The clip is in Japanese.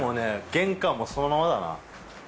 玄関もそのままだな。